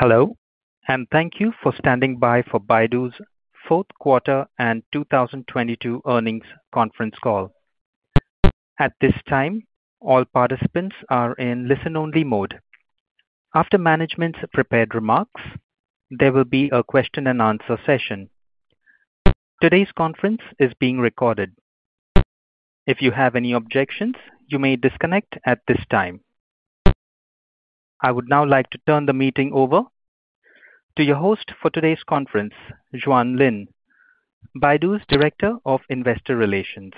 Hello, thank you for standing by for Baidu's Fourth Quarter and 2022 Earnings Conference Call. At this time, all participants are in listen-only mode. After management's prepared remarks, there will be a question-and-answer session. Today's conference is being recorded. If you have any objections, you may disconnect at this time. I would now like to turn the meeting over to your host for today's conference, Juan Lin, Baidu's Director of Investor Relations.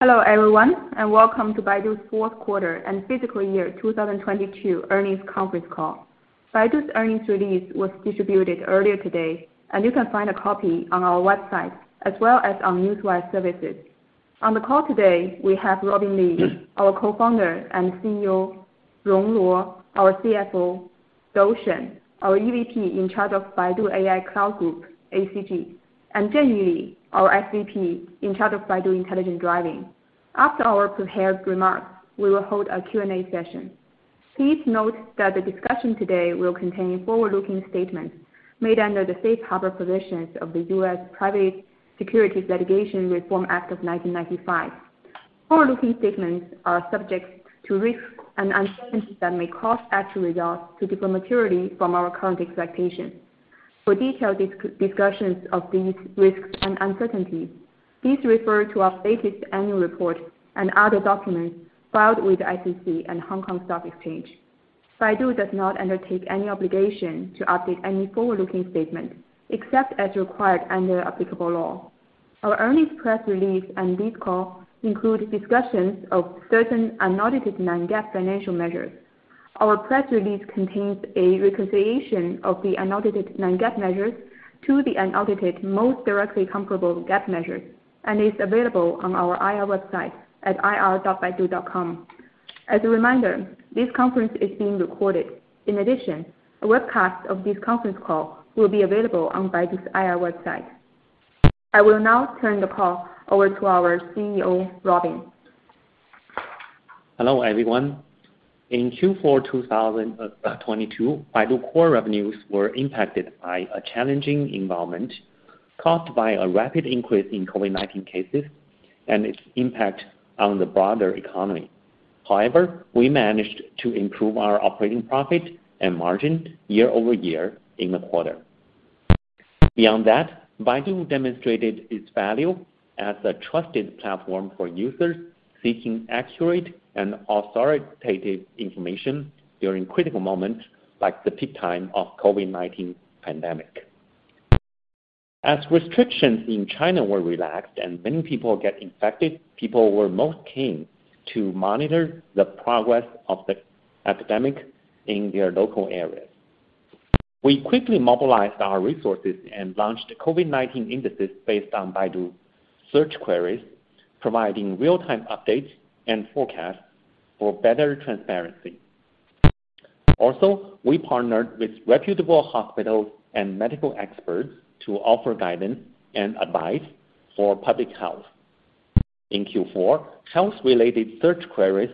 Hello, everyone, and welcome to Baidu's Fourth Quarter and Fiscal Year 2022 Earnings Conference Call. Baidu's earnings release was distributed earlier today, and you can find a copy on our website as well as on Newswire services. On the call today, we have Robin Li, our Co-founder and CEO, Rong Luo, our CFO, Dou Shen, our EVP in charge of Baidu AI Cloud Group, ACG, and Zhenyu Li, our SVP in charge of Baidu Intelligent Driving. After our prepared remarks, we will hold a Q&A session. Please note that the discussion today will contain forward-looking statements made under the Safe Harbor provisions of the U.S. Private Securities Litigation Reform Act of 1995. Forward-looking statements are subject to risks and uncertainties that may cause actual results to differ materially from our current expectations. For detailed discussions of these risks and uncertainties, please refer to our latest annual report and other documents filed with the SEC and Hong Kong Stock Exchange. Baidu does not undertake any obligation to update any forward-looking statement, except as required under applicable law. Our earnings press release and this call include discussions of certain unaudited non-GAAP financial measures. Our press release contains a reconciliation of the unaudited non-GAAP measures to the unaudited most directly comparable GAAP measures and is available on our IR website at ir.baidu.com. As a reminder, this conference is being recorded. In addition, a webcast of this conference call will be available on Baidu's IR website. I will now turn the call over to our CEO, Robin. Hello, everyone. In Q4 2022, Baidu Core revenues were impacted by a challenging environment caused by a rapid increase in COVID-19 cases and its impact on the broader economy. We managed to improve our operating profit and margin year-over-year in the quarter. Beyond that, Baidu demonstrated its value as a trusted platform for users seeking accurate and authoritative information during critical moments like the peak time of COVID-19 pandemic. As restrictions in China were relaxed and many people get infected, people were most keen to monitor the progress of the epidemic in their local areas. We quickly mobilized our resources and launched COVID-19 indices based on Baidu Search queries, providing real-time updates and forecasts for better transparency. We partnered with reputable hospitals and medical experts to offer guidance and advice for public health. In Q4, health-related search queries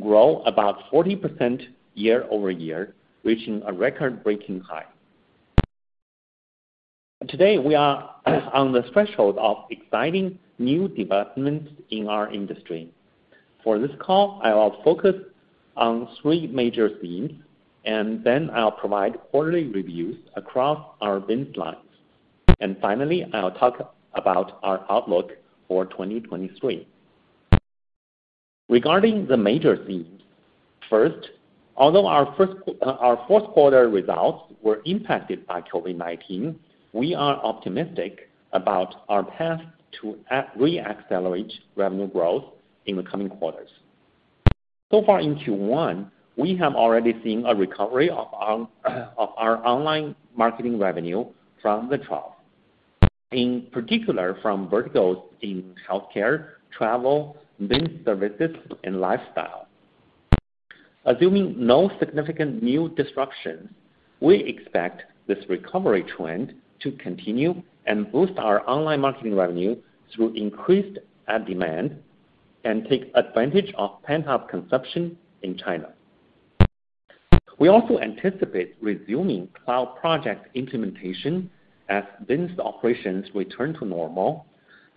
grow about 40% year-over-year, reaching a record-breaking high. Today, we are on the threshold of exciting new developments in our industry. For this call, I will focus on three major themes. Then I'll provide quarterly reviews across our business lines. Finally, I'll talk about our outlook for 2023. Regarding the major themes, first, although our fourth quarter results were impacted by COVID-19, we are optimistic about our path to reaccelerate revenue growth in the coming quarters. So far in Q1, we have already seen a recovery of our online marketing revenue from the trough. In particular from verticals in healthcare, travel, business services, and lifestyle. Assuming no significant new disruptions, we expect this recovery trend to continue and boost our online marketing revenue through increased ad demand and take advantage of pent-up consumption in China. We also anticipate resuming cloud project implementation as business operations return to normal,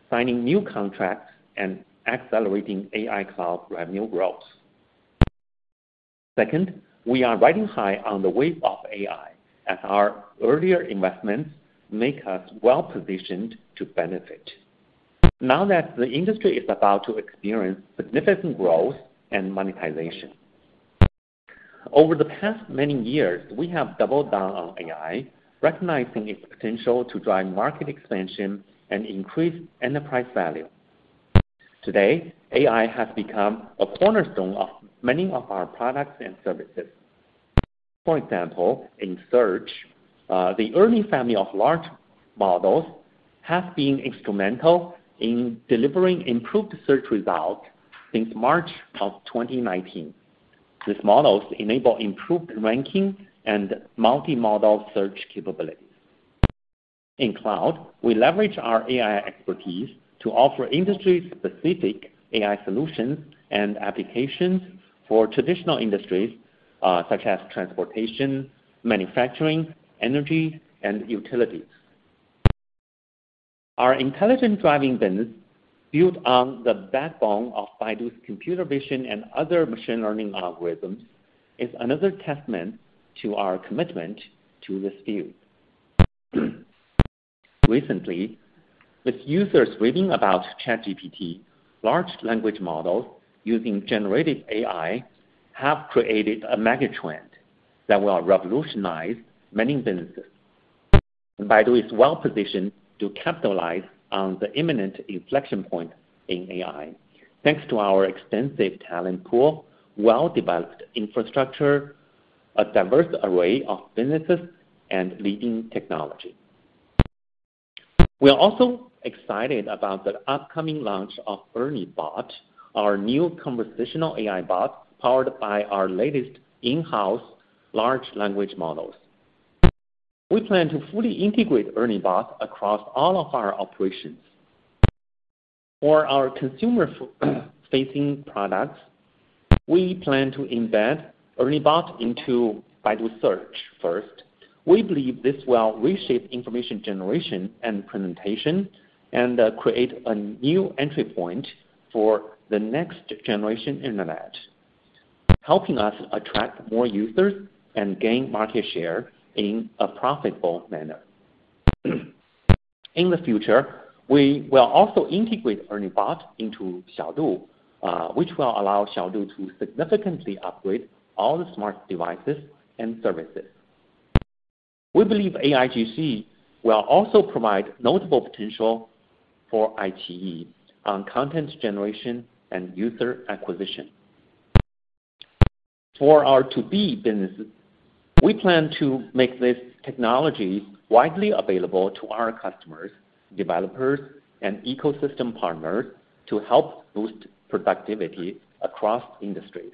signing new contracts and accelerating AI cloud revenue growth. Second, we are riding high on the wave of AI as our earlier investments make us well-positioned to benefit. Now that the industry is about to experience significant growth and monetization. Over the past many years, we have doubled down on AI, recognizing its potential to drive market expansion and increase enterprise value. Today, AI has become a cornerstone of many of our products and services. For example, in search, the early family of large models have been instrumental in delivering improved search results since March of 2019. These models enable improved ranking and multi-model search capability. In cloud, we leverage our AI expertise to offer industry-specific AI solutions and applications for traditional industries, such as transportation, manufacturing, energy and utilities. Our intelligent driving business, built on the backbone of Baidu's computer vision and other machine learning algorithms, is another testament to our commitment to this field. Recently, with users reading about ChatGPT, large language models using generative AI have created a megatrend that will revolutionize many businesses. Baidu is well-positioned to capitalize on the imminent inflection point in AI, thanks to our extensive talent pool, well-developed infrastructure, a diverse array of businesses, and leading technology. We are also excited about the upcoming launch of ERNIE Bot, our new conversational AI bot powered by our latest in-house large language models. We plan to fully integrate ERNIE Bot across all of our operations. For our consumer facing products, we plan to embed ERNIE Bot into Baidu Search first. We believe this will reshape information generation and presentation, and create a new entry point for the next generation internet, helping us attract more users and gain market share in a profitable manner. In the future, we will also integrate ERNIE Bot into Xiaodu, which will allow Xiaodu to significantly upgrade all the smart devices and services. We believe AIGC will also provide notable potential for iQIYI on content generation and user acquisition. For our to-be businesses, we plan to make these technologies widely available to our customers, developers, and ecosystem partners to help boost productivity across industries.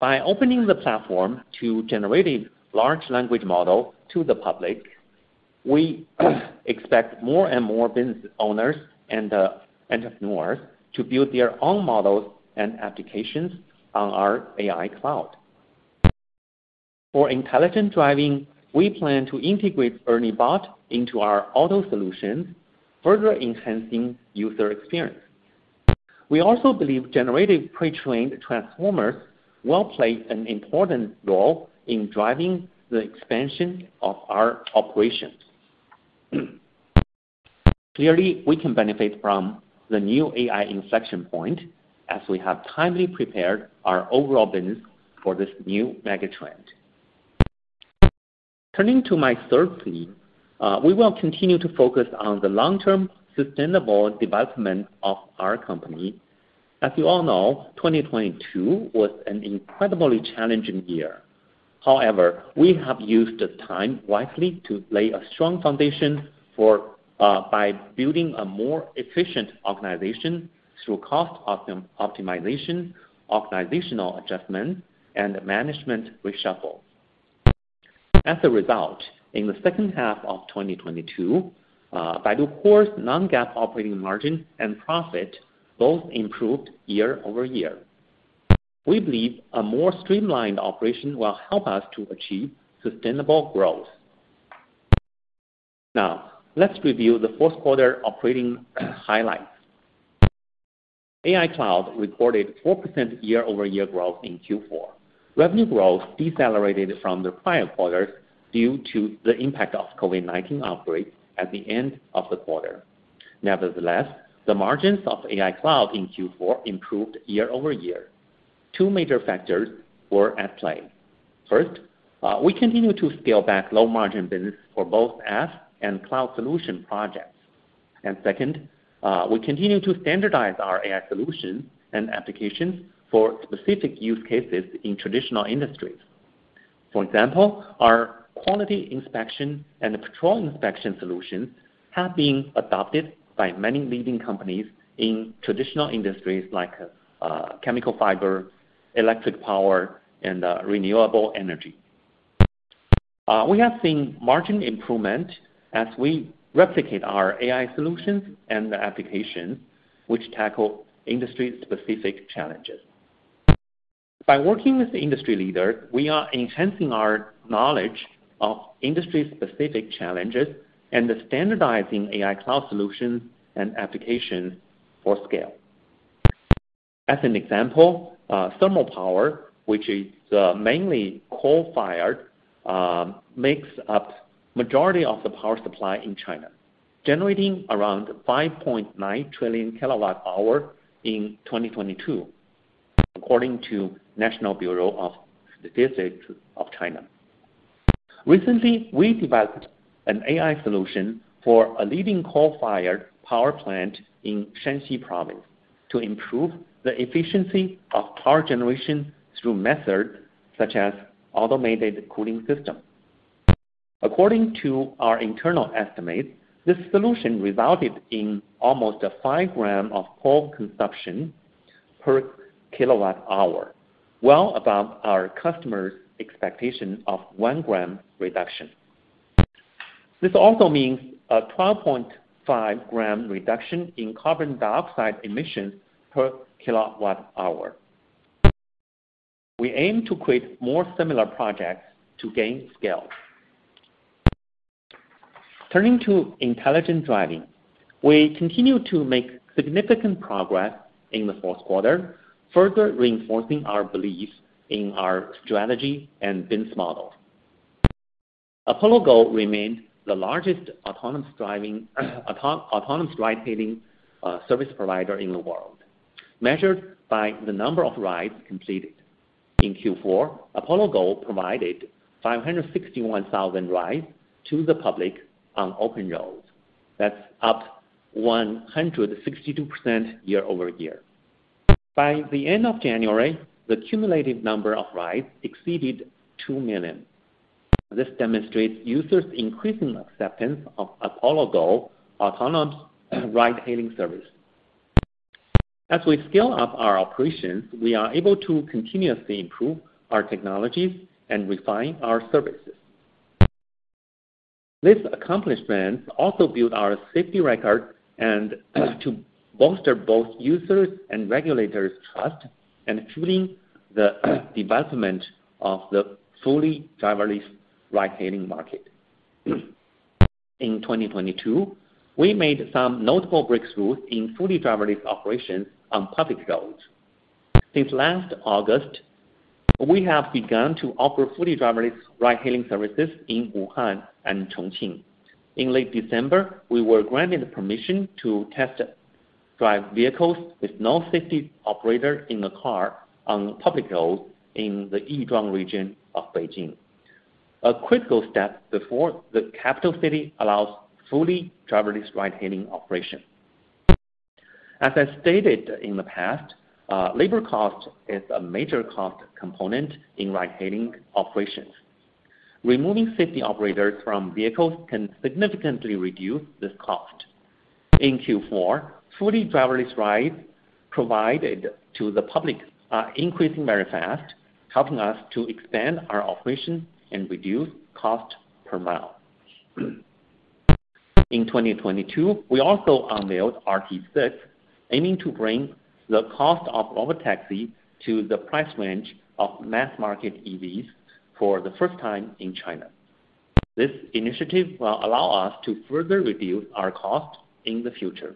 By opening the platform to generative large language model to the public, we expect more and more business owners and entrepreneurs to build their own models and applications on our AI cloud. For intelligent driving, we plan to integrate ERNIE Bot into our auto solutions, further enhancing user experience. We also believe generative pre-trained transformers will play an important role in driving the expansion of our operations. Clearly, we can benefit from the new AI inflection point as we have timely prepared our overall business for this new mega trend. Turning to my third theme, we will continue to focus on the long-term sustainable development of our company. As you all know, 2022 was an incredibly challenging year. However, we have used the time wisely to lay a strong foundation for by building a more efficient organization through cost optimization, organizational adjustment, and management reshuffle. As a result, in the second half of 2022, Baidu Core non-GAAP operating margin and profit both improved year-over-year. We believe a more streamlined operation will help us to achieve sustainable growth. Now, let's review the fourth quarter operating highlights. AI Cloud reported 4% year-over-year growth in Q4. Revenue growth decelerated from the prior quarters due to the impact of COVID-19 outbreaks at the end of the quarter. Nevertheless, the margins of AI Cloud in Q4 improved year-over-year. Two major factors were at play. First, we continue to scale back low-margin business for both apps and cloud solution projects. Second, we continue to standardize our AI solutions and applications for specific use cases in traditional industries. For example, our quality inspection and patrol inspection solutions have been adopted by many leading companies in traditional industries like chemical fiber, electric power and renewable energy. We have seen margin improvement as we replicate our AI solutions and the application which tackle industry specific challenges. By working with the industry leader, we are enhancing our knowledge of industry specific challenges and standardizing AI cloud solutions and application for scale. As an example, thermal power, which is, mainly coal-fired, makes up majority of the power supply in China, generating around 5.9 trillion kWh in 2022, according to National Bureau of Statistics of China. Recently, we developed an AI solution for a leading coal-fired power plant in Shanxi Province to improve the efficiency of power generation through methods such as automated cooling system. According to our internal estimates, this solution resulted in almost a 5 g of coal consumption-per kWh, well above our customers' expectation of 1 g reduction. This also means a 12.5 g reduction in carbon dioxide emissions per kWh. We aim to create more similar projects to gain scale. Turning to Intelligent Driving. We continued to make significant progress in the fourth quarter, further reinforcing our belief in our strategy and business model. Apollo Go remained the largest autonomous ride-hailing service provider in the world, measured by the number of rides completed. In Q4, Apollo Go provided 561,000 rides to the public on open roads. That's up 162% year-over-year. By the end of January, the cumulative number of rides exceeded 2 million. This demonstrates users' increasing acceptance of Apollo Go autonomous ride-hailing service. As we scale up our operations, we are able to continuously improve our technologies and refine our services. This accomplishment also build our safety record and to bolster both users' and regulators' trust in fueling the development of the fully driverless ride-hailing market. In 2022, we made some notable breakthroughs in fully driverless operations on public roads. Since last August, we have begun to offer fully driverless ride-hailing services in Wuhan and Chongqing. In late December, we were granted permission to test drive vehicles with no safety operator in the car on public roads in the Yizhuang region of Beijing. A critical step before the capital city allows fully driverless ride-hailing operation. As I stated in the past, labor cost is a major cost component in ride-hailing operations. Removing safety operators from vehicles can significantly reduce this cost. In Q4, fully driverless rides provided to the public are increasing very fast, helping us to expand our operation and reduce cost per mile. In 2022, we also unveiled RT6, aiming to bring the cost of Robotaxi to the price range of mass-market EVs for the first time in China. This initiative will allow us to further reduce our costs in the future.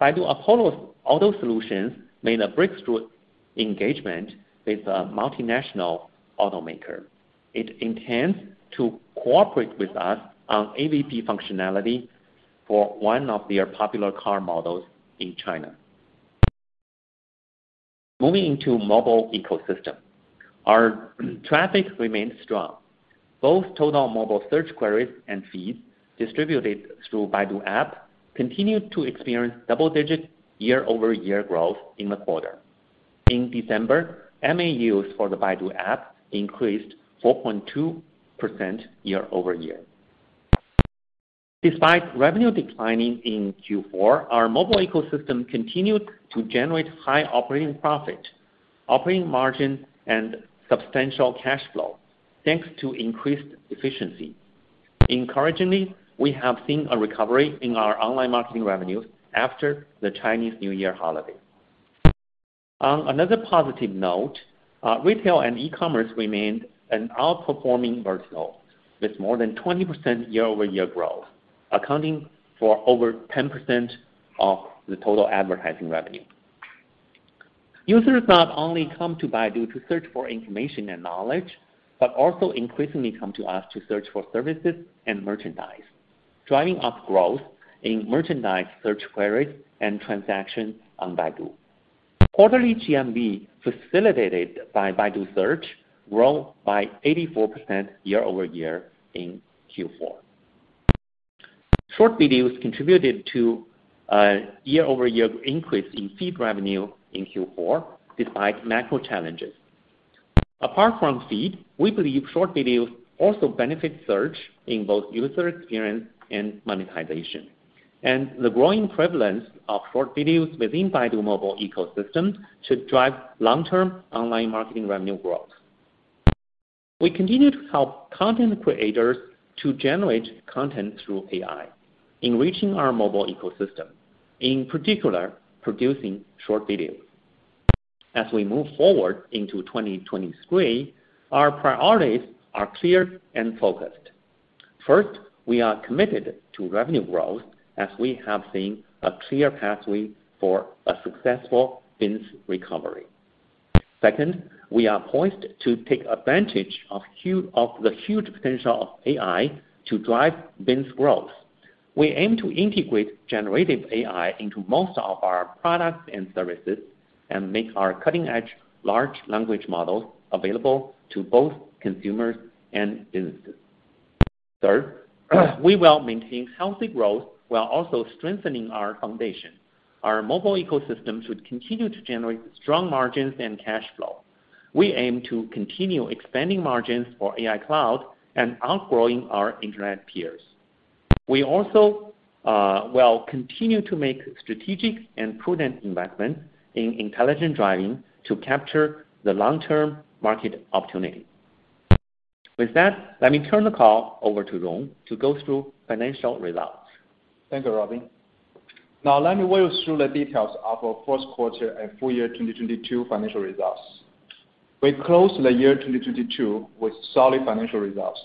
Baidu Apollo's Auto Solutions made a breakthrough engagement with a multinational automaker. It intends to cooperate with us on AVP functionality for one of their popular car models in China. Moving to mobile ecosystem. Our traffic remained strong. Both total mobile search queries and feeds distributed through Baidu App continued to experience double-digit year-over-year growth in the quarter. In December, MAUs for the Baidu App increased 4.2% year-over-year. Despite revenue declining in Q4, our mobile ecosystem continued to generate high operating profit, operating margin, and substantial cash flow, thanks to increased efficiency. Encouragingly, we have seen a recovery in our online marketing revenues after the Chinese New Year holiday. On another positive note, retail and e-commerce remained an outperforming vertical, with more than 20% year-over-year growth, accounting for over 10% of the total advertising revenue. Users not only come to Baidu to search for information and knowledge, but also increasingly come to us to search for services and merchandise, driving up growth in merchandise search queries and transactions on Baidu. Quarterly GMV facilitated by Baidu Search grew by 84% year-over-year in Q4. Short videos contributed to a year-over-year increase in feed revenue in Q4 despite macro challenges. Apart from feed, we believe short videos also benefit search in both user experience and monetization. The growing prevalence of short videos within Baidu mobile ecosystem should drive long-term online marketing revenue growth. We continue to help content creators to generate content through AI, enriching our mobile ecosystem, in particular, producing short videos. As we move forward into 2023, our priorities are clear and focused. First, we are committed to revenue growth as we have seen a clear pathway for a successful business recovery. Second, we are poised to take advantage of the huge potential of AI to drive business growth. We aim to integrate generative AI into most of our products and services and make our cutting-edge large language models available to both consumers and businesses. Third, we will maintain healthy growth while also strengthening our foundation. Our mobile ecosystem should continue to generate strong margins and cash flow. We aim to continue expanding margins for AI Cloud and outgrowing our internet peers. We also will continue to make strategic and prudent investment in Intelligent Driving to capture the long-term market opportunity. With that, let me turn the call over to Rong to go through financial results. Thank you, Robin. Let me walk you through the details of our first quarter and full year 2022 financial results. We closed the year 2022 with solid financial results.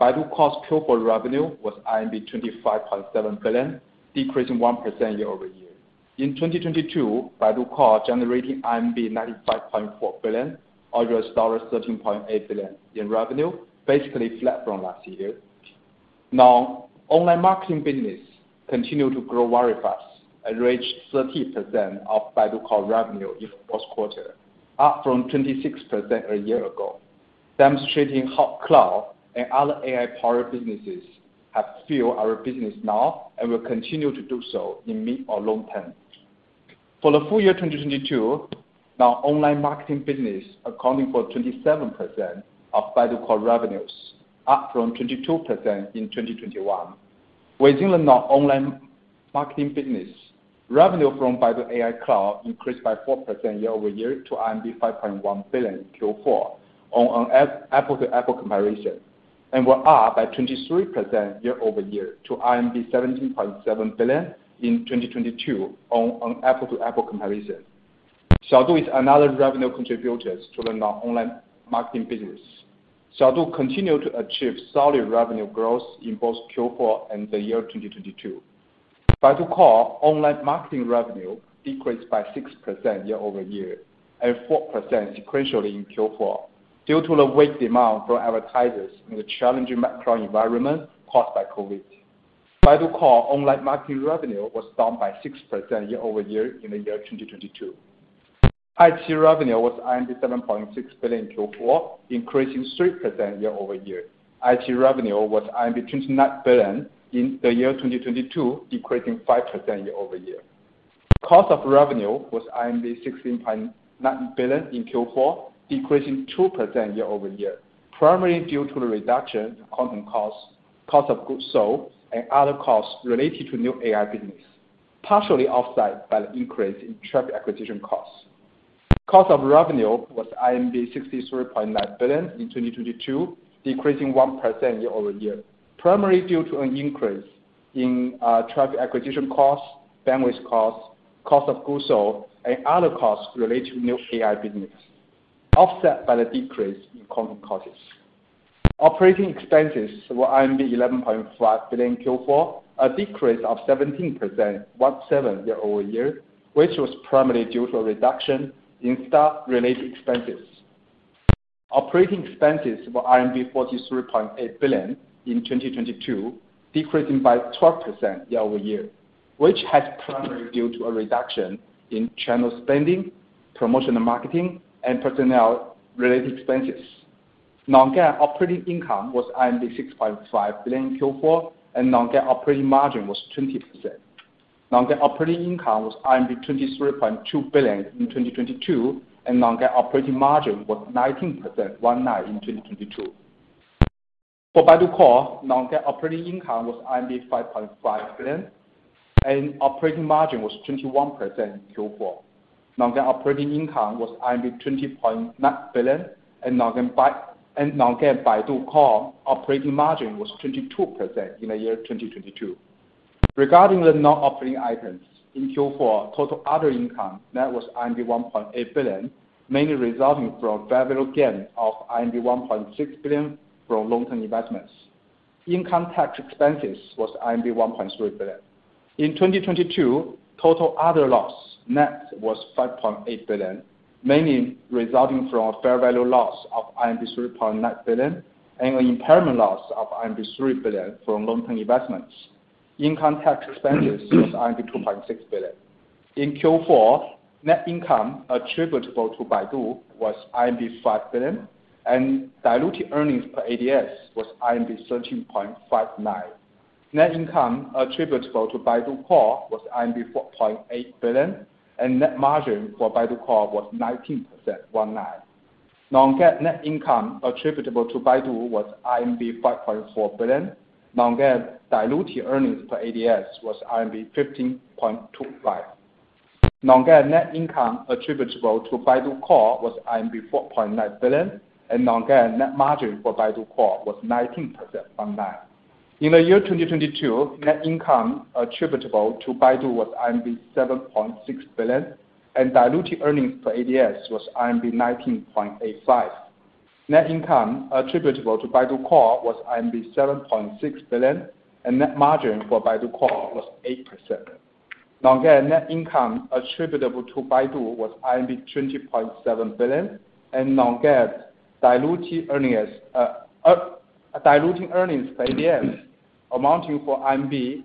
Baidu Core's Q4 revenue was 25.7 billion, decreasing 1% year-over-year. In 2022, Baidu Core generating 95.4 billion, other star was RMB 13.8 billion in revenue, basically flat from last year. Online marketing business continued to grow very fast and reached 30% of Baidu Core revenue in the first quarter, up from 26% a year ago, demonstrating how cloud and other AI product businesses have fueled our business now and will continue to do so in mid or long term. For the full year 2022, online marketing business accounting for 27% of Baidu Core revenues, up from 22% in 2021. Within the online marketing business, revenue from Baidu AI Cloud increased by 4% year-over-year to 5.1 billion in Q4 on an apple-to-apple comparison, and were up by 23% year-over-year to 17.7 billion in 2022 on an apple-to-apple comparison. Xiaodu is another revenue contributor to the online marketing business. Xiaodu continued to achieve solid revenue growth in both Q4 and the year 2022. Baidu Core online marketing revenue decreased by 6% year-over-year and 4% sequentially in Q4 due to the weak demand from advertisers in the challenging macro environment caused by COVID. Baidu Core online marketing revenue was down by 6% year-over-year in the year 2022. IT revenue was 7.6 billion in Q4, increasing 3% year-over-year. IT revenue was 29 billion in the year 2022, decreasing 5% year-over-year. Cost of revenue was 16.9 billion in Q4, decreasing 2% year-over-year, primarily due to the reduction in content costs, cost of goods sold and other costs related to new AI business, partially offset by the increase in traffic acquisition costs. Cost of revenue was 63.9 billion in 2022, decreasing 1% year-over-year, primarily due to an increase in traffic acquisition costs, bandwidth costs, cost of goods sold and other costs related to new AI business, offset by the decrease in content costs. Operating expenses were 11.5 billion in Q4, a decrease of 17% year-over-year, which was primarily due to a reduction in staff-related expenses. Operating expenses were RMB 43.8 billion in 2022, decreasing by 12% year-over-year, which was primarily due to a reduction in channel spending, promotional marketing and personnel-related expenses. Non-GAAP operating income was 6.5 billion in Q4, and non-GAAP operating margin was 20%. Non-GAAP operating income was 23.2 billion in 2022, and non-GAAP operating margin was 19%, one-nine in 2022. For Baidu Core, non-GAAP operating income was 5.5 billion, and operating margin was 21% in Q4. Non-GAAP operating income was 20.9 billion and non-GAAP Baidu Core operating margin was 22% in the year 2022. Regarding the non-operating items, in Q4, total other income net was 1.8 billion, mainly resulting from a fair value gain of 1.6 billion from long-term investments. Income tax expenses was 1.3 billion. In 2022, total other loss net was 5.8 billion, mainly resulting from a fair value loss of 3.9 billion and an impairment loss of 3 billion from long-term investments. Income tax expenses was 2.6 billion. In Q4, net income attributable to Baidu was 5 billion, and diluted earnings per ADS was 13.59. Net income attributable to Baidu Core was 4.8 billion, and net margin for Baidu Core was 19%, one nine. Non-GAAP net income attributable to Baidu was RMB 5.4 billion. Non-GAAP diluted earnings per ADS was RMB 15.25. Non-GAAP net income attributable to Baidu Core was RMB 4.9 billion, and non-GAAP net margin for Baidu Core was 19%, one nine. In the year 2022, net income attributable to Baidu was 7.6 billion, and diluted earnings per ADS was 19.85. Net income attributable to Baidu Core was 7.6 billion, and net margin for Baidu Core was 8%. Non-GAAP net income attributable to Baidu was 20.7 billion and non-GAAP diluted earnings per ADS amounting for 58.93.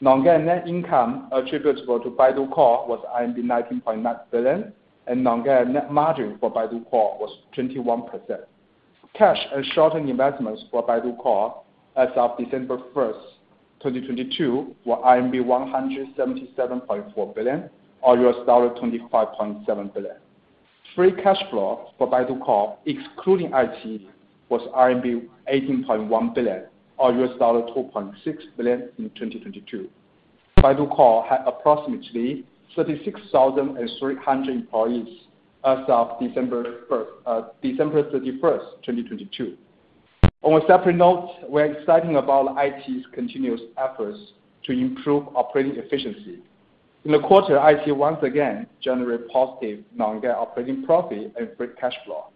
Non-GAAP net income attributable to Baidu Core was 19.9 billion, and non-GAAP net margin for Baidu Core was 21%. Cash and short-term investments for Baidu Core as of December 1st, 2022, were 177.4 billion, or $25.7 billion. Free cash flow for Baidu Core, excluding iQIYI, was RMB 18.1 billion or $2.6 billion in 2022. Baidu Core had approximately 36,300 employees as of December 31, 2022. On a separate note, we're excited about iQIYI's continuous efforts to improve operating efficiency. In the quarter, iQIYI once again generated positive non-GAAP operating profit and free cash flow.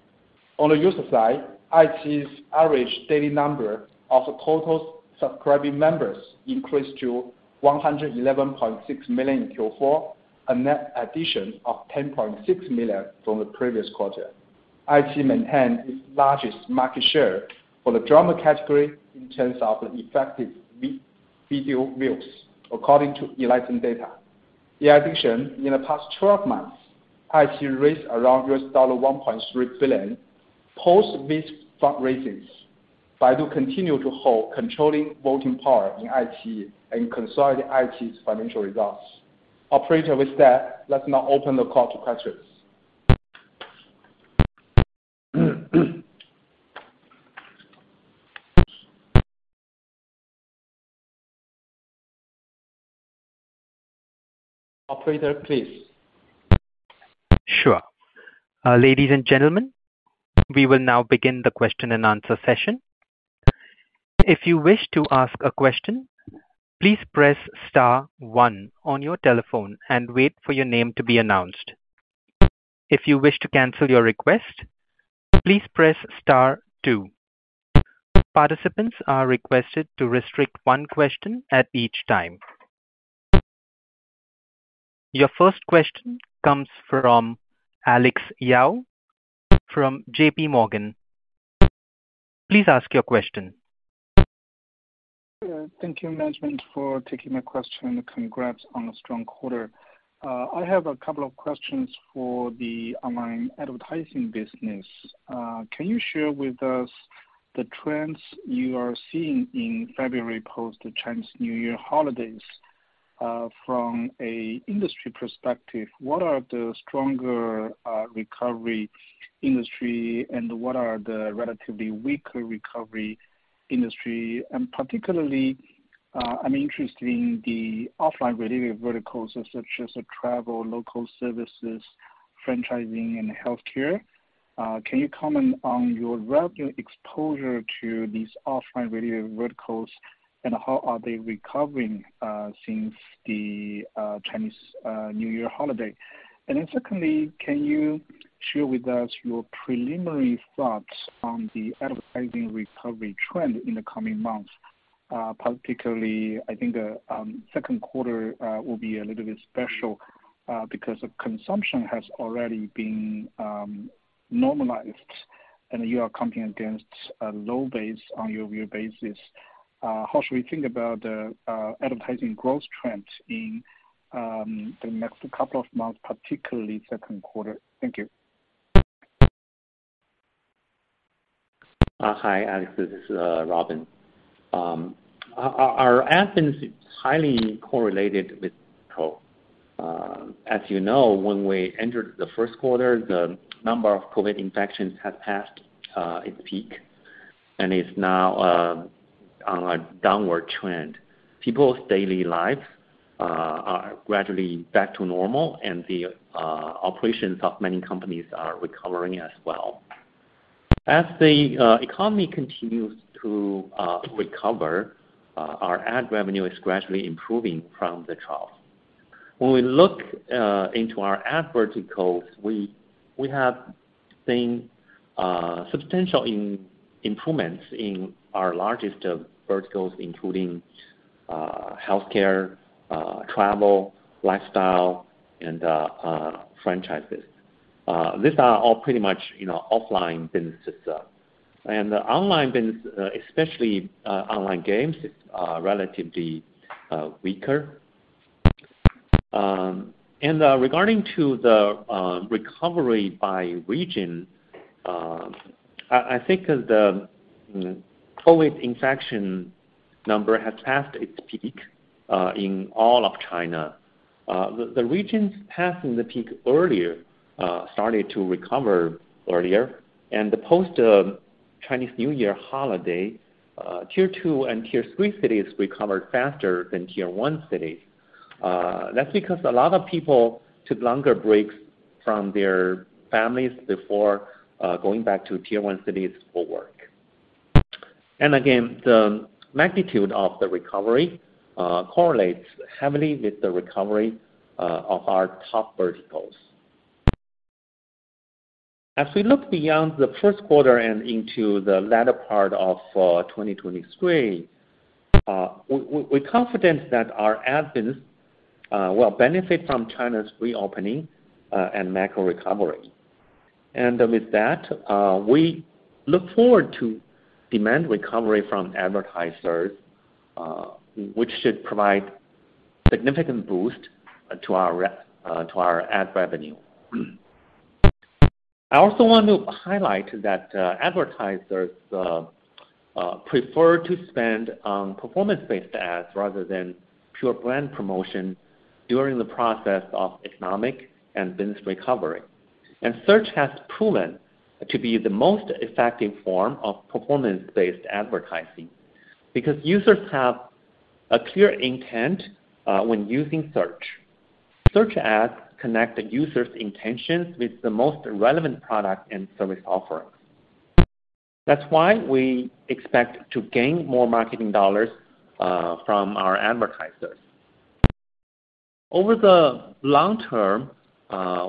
On the user side, iQIYI's average daily number of total subscribing members increased to 111.6 million in Q4, a net addition of 10.6 million from the previous quarter. iQIYI maintained its largest market share for the drama category in terms of effective video views, according to Enlightent data. In addition, in the past 12 months, iQIYI raised around $1.3 billion post mid fundraisings. Baidu continue to hold controlling voting power in iQIYI and consolidate iQIYI's financial results. Operator, with that, let's now open the call to questions. Operator, please. Sure. Ladies, and gentlemen, we will now begin the question-and-answer session. If you wish to ask a question, please press star one on your telephone and wait for your name to be announced. If you wish to cancel your request, please press star two. Participants are requested to restrict one question at each time. Your first question comes from Alex Yao from JPMorgan. Please ask your question. Yeah. Thank you, management, for taking my question. Congrats on a strong quarter. I have two questions for the online advertising business. Can you share with us the trends you are seeing in February post the Chinese New Year holidays? From an industry perspective, what are the stronger recovery industry and what are the relatively weaker recovery industry? Particularly, I'm interested in the offline related verticals such as travel, local services, franchising and healthcare. Can you comment on your revenue exposure to these offline related verticals, and how are they recovering since the Chinese New Year holiday? Secondly, can you share with us your preliminary thoughts on the advertising recovery trend in the coming months? Particularly, I think, second quarter will be a little bit special because the consumption has already been normalized, and you are competing against a low base on year-over-year basis. How should we think about the advertising growth trend in the next couple of months, particularly second quarter? Thank you. Hi, Alex. This is Robin. Our ad business is highly correlated with growth. As you know, when we entered the first quarter, the number of COVID infections had passed its peak and is now on a downward trend. People's daily lives are gradually back to normal. The operations of many companies are recovering as well. As the economy continues to recover, our ad revenue is gradually improving from the trough. When we look into our ad verticals, we have seen substantial improvements in our largest verticals, including healthcare, travel, lifestyle, and franchises. These are all pretty much, you know, offline businesses. The online business, especially online games, is relatively weaker. Regarding the recovery by region, I think the COVID infection number has passed its peak in all of China. The regions passing the peak earlier started to recover earlier. The post Chinese New Year holiday, Tier 2 and Tier 3 cities recovered faster than Tier 1 cities. That's because a lot of people took longer breaks from their families before going back to Tier 1 cities for work. Again, the magnitude of the recovery correlates heavily with the recovery of our top verticals. As we look beyond the first quarter and into the latter part of 2023, we're confident that our ad business will benefit from China's reopening and macro recovery. With that, we look forward to demand recovery from advertisers, which should provide significant boost to our ad revenue. I also want to highlight that advertisers prefer to spend on performance-based ads rather than pure brand promotion during the process of economic and business recovery. Search has proven to be the most effective form of performance-based advertising because users have a clear intent when using search. Search ads connect the user's intentions with the most relevant product and service offerings. That's why we expect to gain more marketing dollars from our advertisers. Over the long term,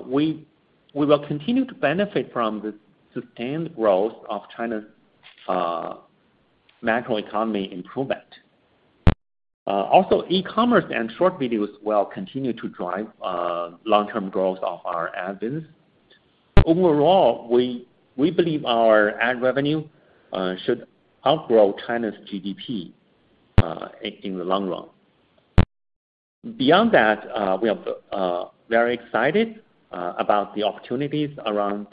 we will continue to benefit from the sustained growth of China's macro economy improvement. E-commerce and short videos will continue to drive long-term growth of our ad business. Overall, we believe our ad revenue should outgrow China's GDP in the long run. Beyond that, we are very excited about the opportunities around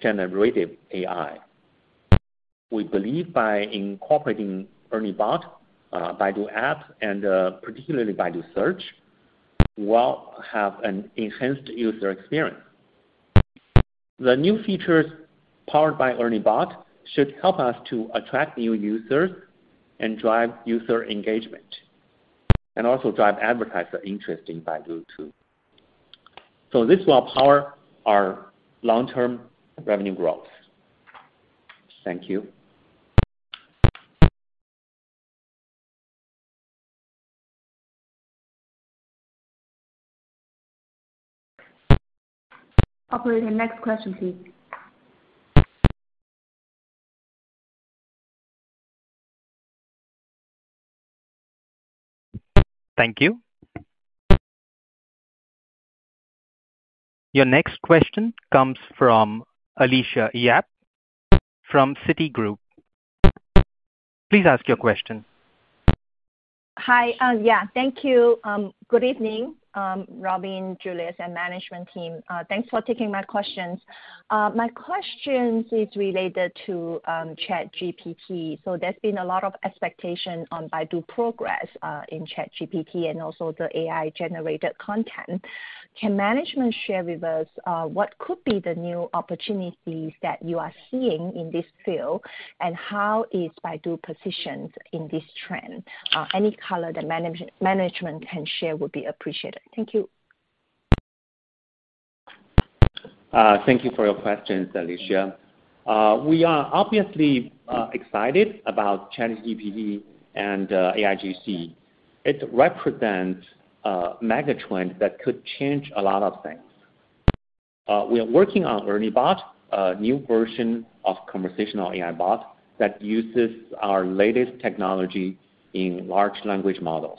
generative AI. We believe by incorporating ERNIE Bot, Baidu App, and particularly Baidu Search, we'll have an enhanced user experience. The new features powered by ERNIE Bot should help us to attract new users and drive user engagement, and also drive advertiser interest in Baidu too. This will power our long-term revenue growth. Thank you. Operator, next question please. Thank you. Your next question comes from Alicia Yap from Citigroup. Please ask your question. Hi. Yeah. Thank you. Good evening, Robin, Rong, and management team. Thanks for taking my questions. My questions is related to ChatGPT. There's been a lot of expectation on Baidu progress in ChatGPT and also the AI-generated content. Can management share with us what could be the new opportunities that you are seeing in this field, and how is Baidu positioned in this trend? Any color that management can share would be appreciated. Thank you. Thank you for your questions, Alicia. We are obviously excited about ChatGPT and AIGC. It represents a mega trend that could change a lot of things. We are working on ERNIE Bot, a new version of conversational AI bot that uses our latest technology in large language models.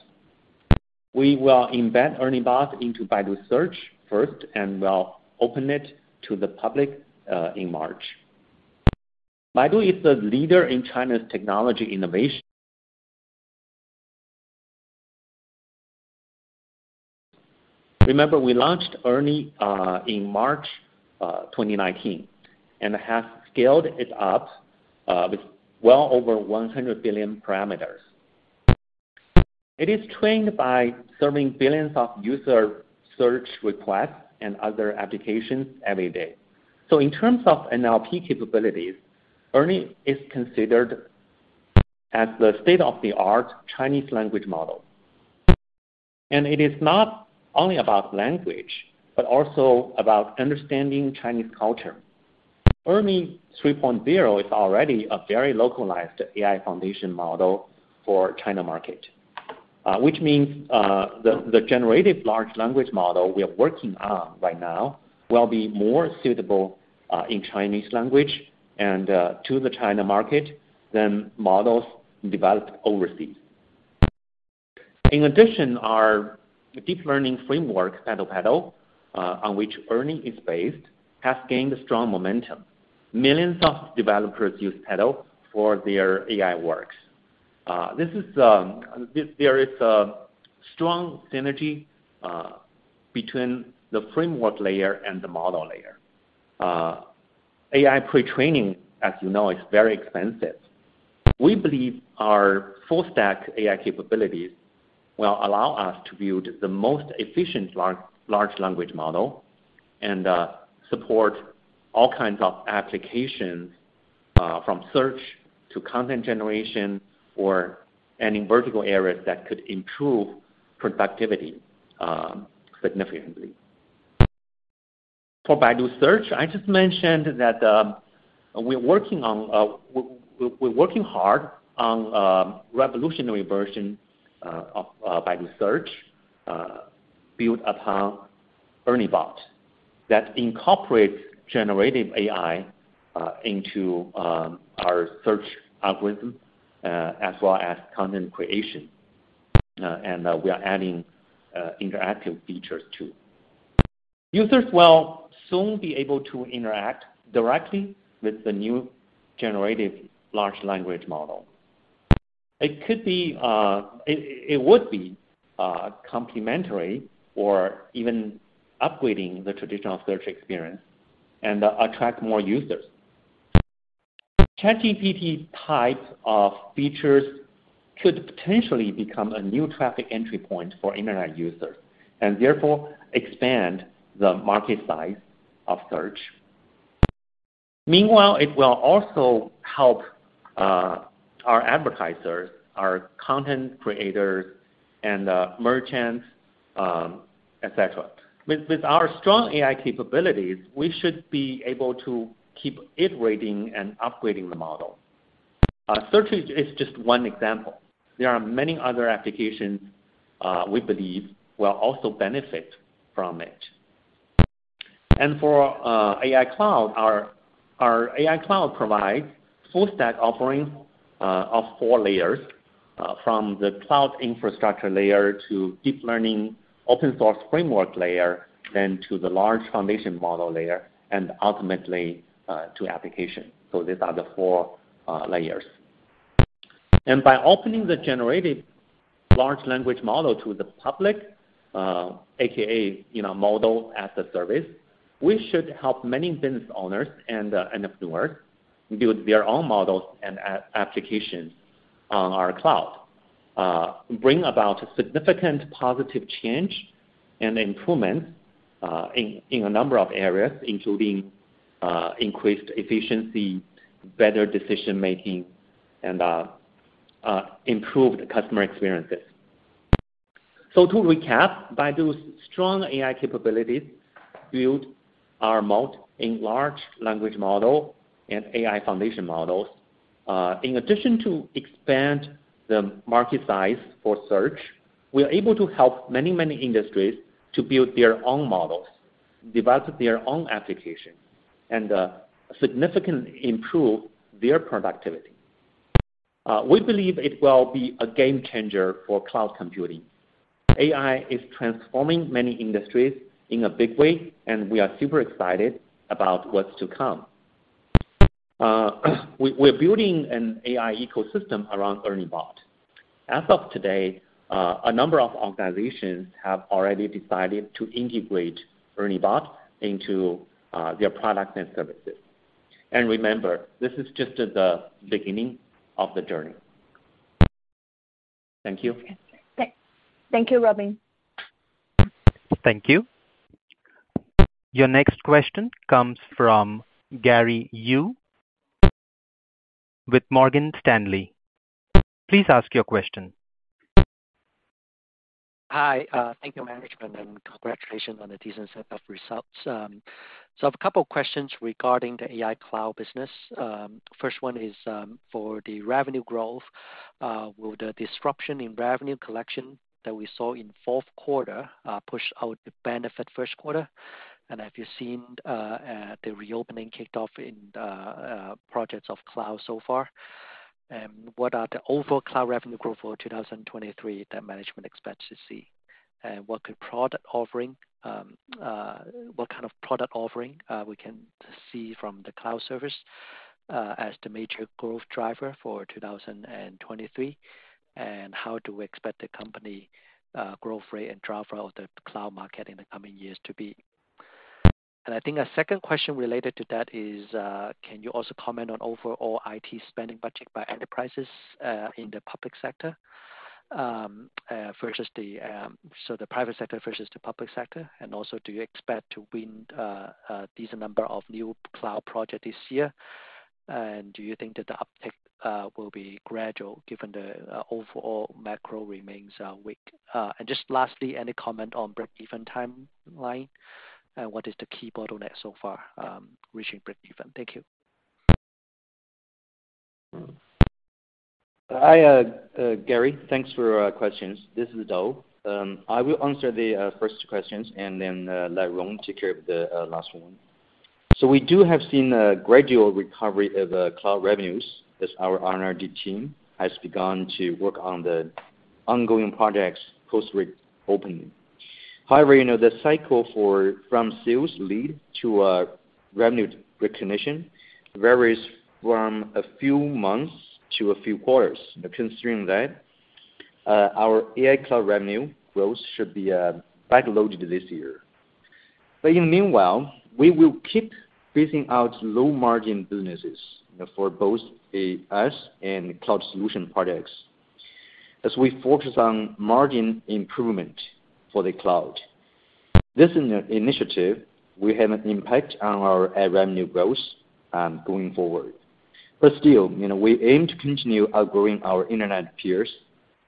We will embed ERNIE Bot into Baidu Search first, and we'll open it to the public in March. Baidu is the leader in China's technology innovation. Remember, we launched ERNIE in March 2019, and have scaled it up with well over 100 billion parameters. It is trained by serving billions of user search requests and other applications every day. In terms of NLP capabilities, ERNIE is considered as the state-of-the-art Chinese language model. It is not only about language, but also about understanding Chinese culture. ERNIE 3.0 is already a very localized AI foundation model for China market. which means the generated large language model we are working on right now will be more suitable in Chinese language and to the China market than models developed overseas. In addition, our deep learning framework, PaddlePaddle, on which ERNIE is based, has gained strong momentum. Millions of developers use Paddle for their AI works. There is a strong synergy between the framework layer and the model layer. AI pre-training, as you know, is very expensive. We believe our full stack AI capabilities will allow us to build the most efficient large language model and support all kinds of applications from search to content generation or any vertical areas that could improve productivity significantly. For Baidu Search, I just mentioned that we're working hard on a revolutionary version of Baidu Search built upon ERNIE Bot that incorporates generative AI into our search algorithm as well as content creation. We are adding interactive features too. Users will soon be able to interact directly with the new generative large language model. It could be, it would be complementary or even upgrading the traditional search experience and attract more users. ChatGPT types of features could potentially become a new traffic entry point for Internet users, and therefore expand the market size of search. Meanwhile, it will also help our advertisers, our content creators and merchants, et cetera. With our strong AI capabilities, we should be able to keep iterating and upgrading the model. Search is just one example. There are many other applications we believe will also benefit from it. For AI Cloud, our AI Cloud provides full stack offering of four layers, from the cloud infrastructure layer to deep learning open source framework layer, then to the large foundation model layer and ultimately to application. So these are the four layers. By opening the generated large language model to the public, AKA, you know, Model-as-a-Service, we should help many business owners and entrepreneurs build their own models and applications on our cloud, bring about significant positive change and improvement in a number of areas, including increased efficiency, better decision-making, and improved customer experiences. To recap, Baidu's strong AI capabilities build our moat in large language model and AI foundation models. In addition to expand the market size for search, we are able to help many, many industries to build their own models, develop their own applications, and significantly improve their productivity. We believe it will be a game changer for cloud computing. AI is transforming many industries in a big way, and we are super excited about what's to come. We're building an AI ecosystem around ERNIE Bot. As of today, a number of organizations have already decided to integrate ERNIE Bot into their products and services. Remember, this is just the beginning of the journey. Thank you. Thank you, Robin. Thank you. Your next question comes from Gary Yu with Morgan Stanley. Please ask your question. Hi. Thank you management and congratulations on the decent set of results. I have a couple questions regarding the AI cloud business. First one is, for the revenue growth. Will the disruption in revenue collection that we saw in fourth quarter push out the benefit first quarter? Have you seen the reopening kicked off in projects of cloud so far? What are the overall cloud revenue growth for 2023 that management expects to see? What could product offering, what kind of product offering we can see from the cloud service as the major growth driver for 2023? How do we expect the company growth rate and driver of the cloud market in the coming years to be? I think a second question related to that is, can you also comment on overall IT spending budget by enterprises in the public sector versus the private sector versus the public sector? Also, do you expect to win a decent number of new cloud project this year? Do you think that the uptick will be gradual given the overall macro remains weak? Just lastly, any comment on break even timeline, and what is the key bottleneck so far, reaching break even? Thank you. Hi, Gary. Thanks for your questions. This is Dou. I will answer the first two questions and then let Rong take care of the last one. We do have seen a gradual recovery of cloud revenues as our R&D team has begun to work on the ongoing projects post reopening. However, you know, the cycle for from sales lead to a revenue recognition varies from a few months to a few quarters. Considering that, our AI cloud revenue growth should be backloaded this year. In meanwhile, we will keep phasing out low-margin businesses for both AI and cloud solution products as we focus on margin improvement for the cloud. This initiative will have an impact on our revenue growth going forward. Still, you know, we aim to continue outgrowing our Internet peers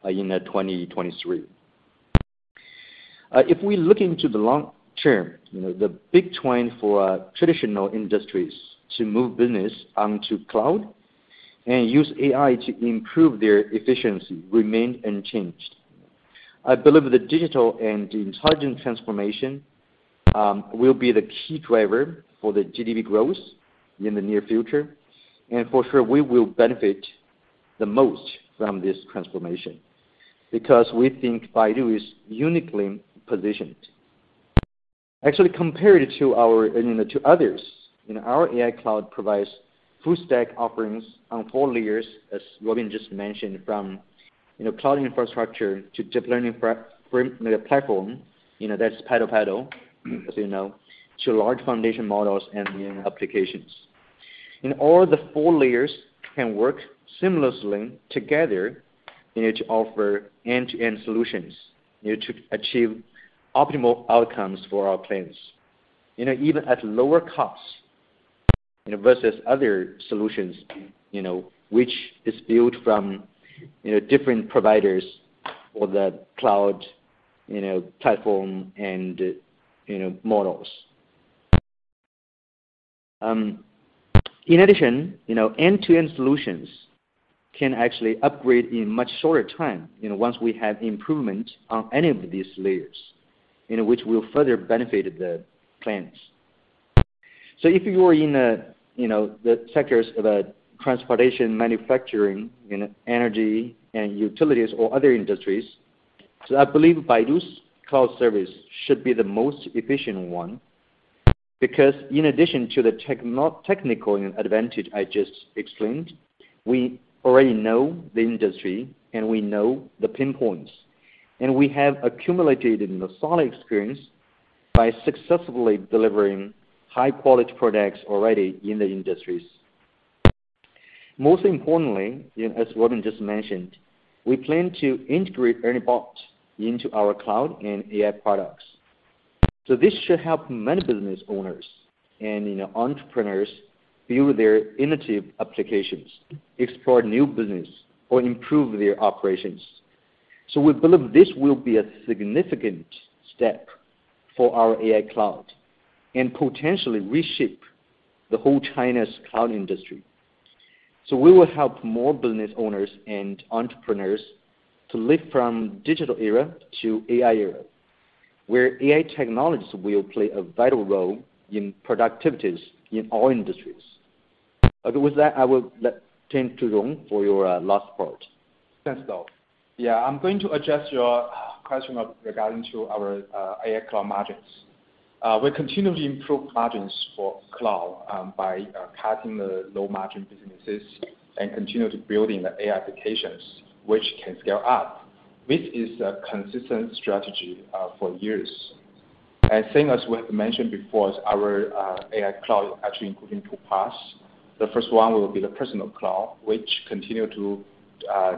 in 2023. If we look into the long term, you know, the big trend for traditional industries to move business onto cloud and use AI to improve their efficiency remain unchanged. I believe the digital and intelligent transformation will be the key driver for the GDP growth in the near future. For sure we will benefit the most from this transformation because we think Baidu is uniquely positioned. Actually, compared to our, you know, to others, you know, our AI Cloud provides full stack offerings on four layers, as Robin just mentioned, from, you know, cloud infrastructure to deep learning platform, you know, that's PaddlePaddle, as you know, to large foundation models and end applications. All four layers can work seamlessly together, you know, to offer end-to-end solutions to achieve optimal outcomes for our clients, you know, even at lower costs, you know, versus other solutions, you know, which is built from, you know, different providers for the cloud, you know, platform and, you know, models. In addition, you know, end-to-end solutions can actually upgrade in much shorter time, you know, once we have improvement on any of these layers, you know, which will further benefit the clients. If you are in a, you know, the sectors of transportation, manufacturing, you know, energy and utilities or other industries, I believe Baidu's cloud service should be the most efficient one, because in addition to the technical advantage I just explained, we already know the industry and we know the pain points. We have accumulated a solid experience by successfully delivering high-quality products already in the industries. Most importantly, you know, as Robin just mentioned, we plan to integrate ERNIE Bot into our cloud and AI products. This should help many business owners and, you know, entrepreneurs build their innovative applications, explore new business, or improve their operations. We believe this will be a significant step for our AI cloud and potentially reshape the whole China's cloud industry. We will help more business owners and entrepreneurs to lift from digital era to AI era, where AI technologies will play a vital role in productivities in all industries. With that, I will let turn to Rong for your last part. Thanks, Dou. Yeah, I'm going to address your question regarding to our AI cloud margins. We continually improve margins for cloud by cutting the low-margin businesses and continue to building the AI applications which can scale up, which is a consistent strategy for years. I think as we have mentioned before, our AI cloud actually including two parts. The first one will be the personal cloud, which continue to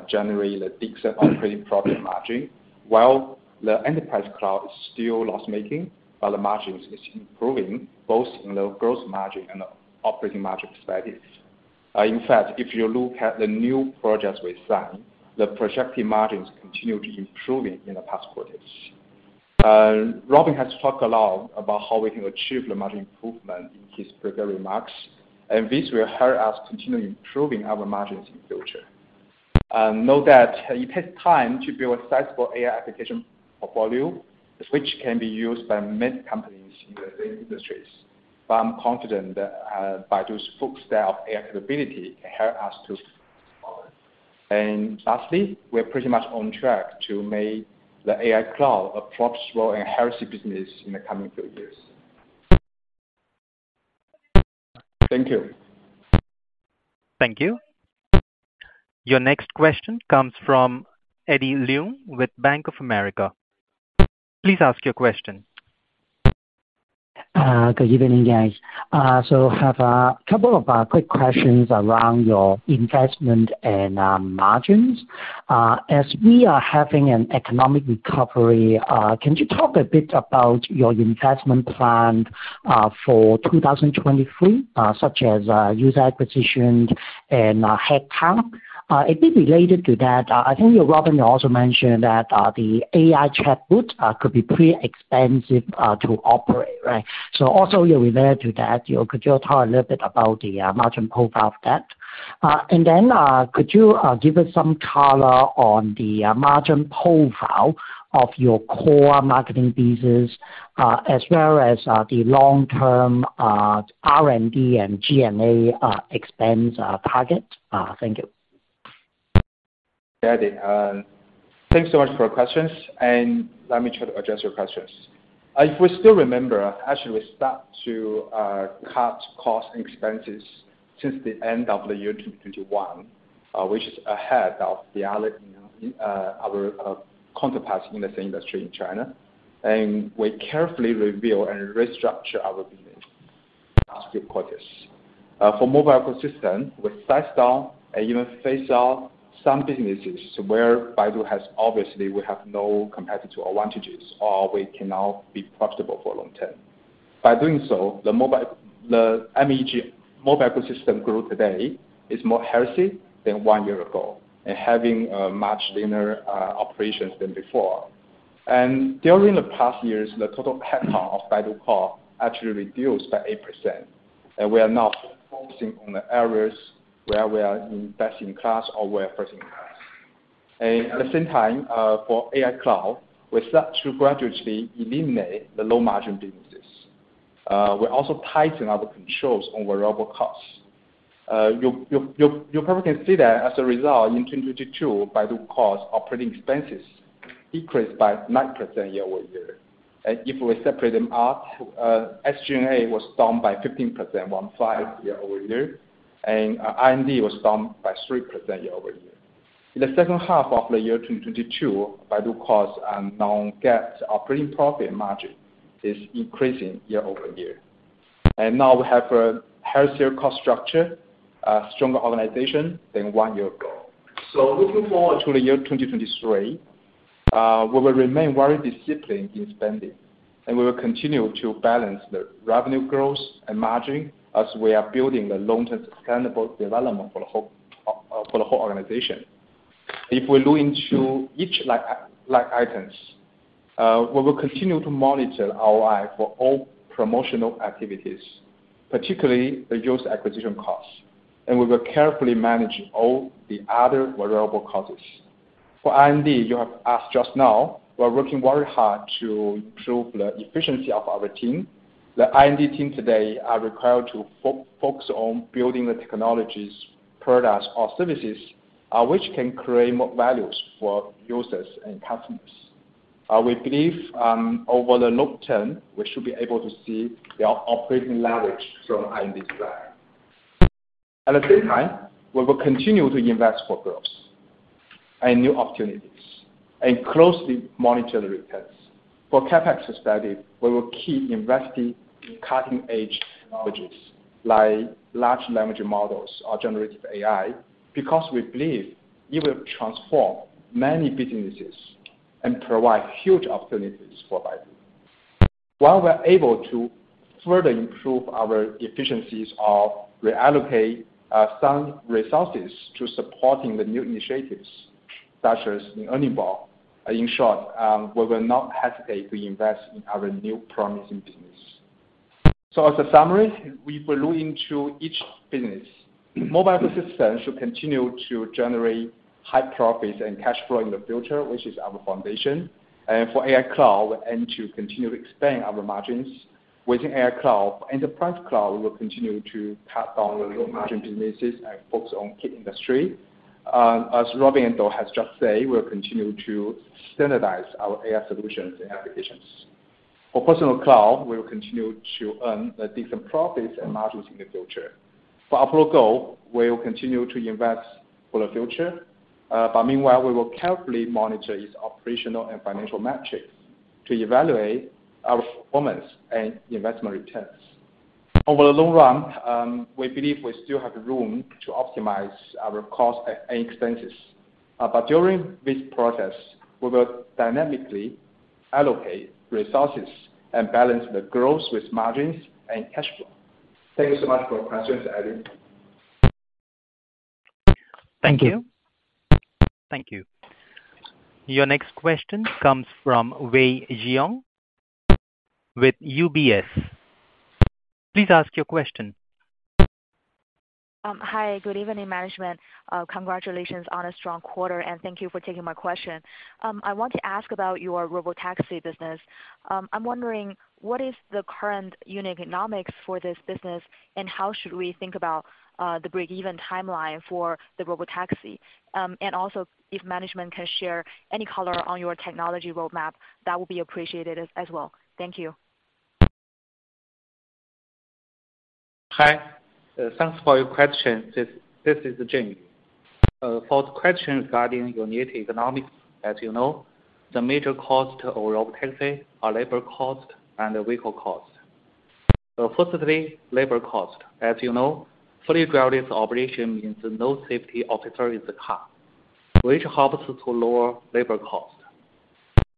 generate a decent operating profit margin, while the enterprise cloud is still loss-making, but the margins is improving both in the gross margin and operating margin status. In fact, if you look at the new projects we sign, the projected margins continue to improving in the past quarters. Robin has talked a lot about how we can achieve the margin improvement in his prepared remarks, and this will help us continue improving our margins in future. Note that it takes time to build a sizable AI application or volume, which can be used by many companies in the same industries, but I'm confident that Baidu's full stack of AI capability can help us to. And lastly, we're pretty much on track to make the AI cloud a profitable and healthy business in the coming few years. Thank you. Thank you. Your next question comes from Eddie Leung with Bank of America. Please ask your question. Good evening, guys. Have a couple of quick questions around your investment and margins. As we are having an economic recovery, can you talk a bit about your investment plan for 2023, such as user acquisition and head count? A bit related to that, I think, Robin, you also mentioned that the AI chatbot could be pretty expensive to operate, right? Also related to that, could you talk a little bit about the margin profile of that? Then, could you give us some color on the margin profile of your core marketing business, as well as the long-term R&D and SG&A expense target? Thank you. Eddie, thanks so much for your questions, and let me try to address your questions. If we still remember, actually, we start to cut costs and expenses since the end of the year 2021, which is ahead of the other, you know, our counterparts in the same industry in China. We carefully review and restructure our business the past few quarters. For mobile ecosystem, we size down and even phase out some businesses where Baidu has obviously we have no competitive advantages or we cannot be profitable for long term. By doing so, the MEG mobile ecosystem today is more healthy than one year ago and having much leaner operations than before. During the past years, the total headcount of Baidu Core actually reduced by 8%, and we are now focusing on the areas where we are best in class or we are first in class. At the same time, for AI Cloud, we start to gradually eliminate the low-margin businesses. We also tighten up the controls on variable costs. You probably can see that as a result in 2022, Baidu cost operating expenses decreased by 9% year-over-year. If we separate them out, SG&A was down by 15% on five year-over-year, and R&D was down by 3% year-over-year. In the second half of the year 2022, Baidu costs and non-GAAP operating profit margin is increasing year-over-year. Now we have a healthier cost structure, a stronger organization than one year ago. Looking forward to the year 2023, we will remain very disciplined in spending, and we will continue to balance the revenue growth and margin as we are building the long-term sustainable development for the whole organization. If we look into each line items, we will continue to monitor ROI for all promotional activities, particularly the user acquisition costs, and we will carefully manage all the other variable costs. For R&D, you have asked just now, we are working very hard to improve the efficiency of our team. The R&D team today are required to focus on building the technologies, products or services, which can create more values for users and customers. We believe, over the long term, we should be able to see their operating leverage from R&D side. At the same time, we will continue to invest for growth and new opportunities and closely monitor the returns. For CapEx study, we will keep investing in cutting-edge technologies like large language models or generative AI, because we believe it will transform many businesses and provide huge opportunities for Baidu. While we are able to further improve our efficiencies or reallocate some resources to supporting the new initiatives, such as in ERNIE Bot, in short, we will not hesitate to invest in our new promising business. As a summary, if we look into each business, Mobile Ecosystem should continue to generate high profits and cash flow in the future, which is our foundation. For AI Cloud, aim to continue to expand our margins. Within AI Cloud, Enterprise Cloud will continue to cut down the low margin businesses and focus on key industry. As Robin and Dou has just said, we'll continue to standardize our AI solutions and applications. For Personal Cloud, we will continue to earn a decent profits and margins in the future. For Apollo Go, we will continue to invest for the future, meanwhile, we will carefully monitor its operational and financial metrics to evaluate our performance and investment returns. Over the long run, we believe we still have room to optimize our costs and expenses. During this process, we will dynamically allocate resources and balance the growth with margins and cash flow. Thank you so much for your questions, Eddie. Thank you. Thank you. Your next question comes from Wei Xiong with UBS. Please ask your question. Hi. Good evening, management. Congratulations on a strong quarter, and thank you for taking my question. I want to ask about your Robotaxi business. I'm wondering what is the current unit economics for this business, and how should we think about the break-even timeline for the Robotaxi? Also, if management can share any color on your technology roadmap, that would be appreciated as well. Thank you. Hi. Thanks for your question. This is Zhen. For the question regarding unit economics, as you know, the major cost of Robotaxi are labor cost and the vehicle cost. Firstly, labor cost. As you know, fully driverless operation means no safety officer in the car, which helps to lower labor cost.